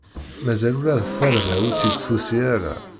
Mazal ula d tarda ur tt-id-tusi ara.